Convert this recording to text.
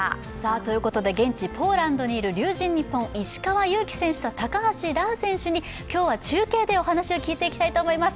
ということで現地ポーランドにいる龍神ＮＩＰＰＯＮ、石川祐希選手と高橋藍選手に今日は中継でお話を聞いていきたいと思います。